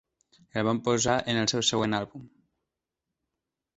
El van posar en el seu següent àlbum.